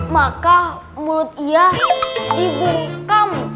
maka mulut ia dibuka